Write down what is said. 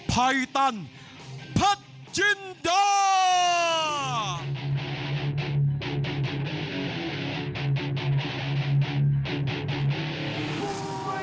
เห็นตัว